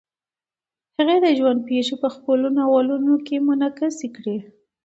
هغې د ژوند پېښې په خپلو ناولونو کې منعکس کړې.